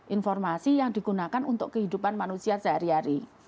informasi yang digunakan untuk kehidupan manusia sehari hari